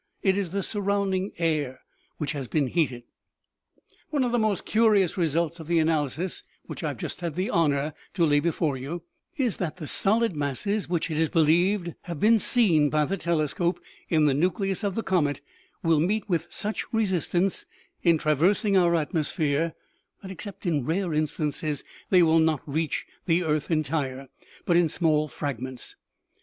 It is the surrounding air which has been heated. " One of the most curious results of the analysis which I have just had the honor to lay before you, is that the solid masses which, it is believed, have been seen ;by the tele scope in the nucleus of the comet, will meet with such re sistance in traversing our atmosphere that, except in rare instances, they will not reach the earth entire, but in small fragments.